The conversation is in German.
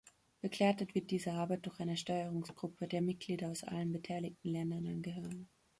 Begleitet wird diese Arbeit durch eine Steuerungsgruppe, der Mitglieder aus allen beteiligten Ländern angehören.